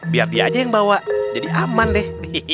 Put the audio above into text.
biar dia aja yang bawa jadi aman deh